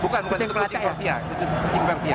bukan bukan itu pelajar persia itu kucing persia